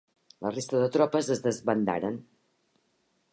La resta de tropes es desbandaren.